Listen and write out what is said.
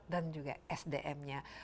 dan juga sdm nya